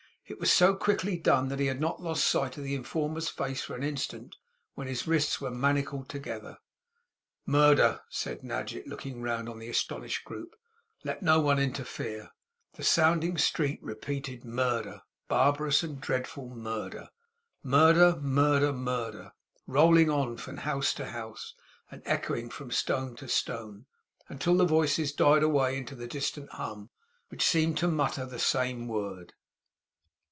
It was so quickly done, that he had not lost sight of the informer's face for an instant when his wrists were manacled together. 'Murder,' said Nadgett, looking round on the astonished group. 'Let no one interfere.' The sounding street repeated Murder; barbarous and dreadful Murder. Murder, Murder, Murder. Rolling on from house to house, and echoing from stone to stone, until the voices died away into the distant hum, which seemed to mutter the same word!